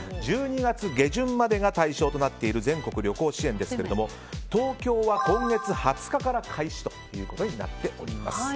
１２月下旬までが対象となっている全国旅行支援ですけども東京は今月２０日から開始ということになっています。